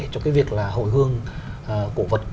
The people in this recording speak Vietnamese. cho việc hội hương cổ vật